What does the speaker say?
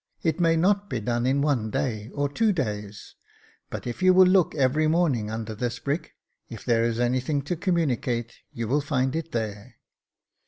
It may not be done in one day, or two days, but if you will look every morning under this brick, if there is anything to communicate you will find it there."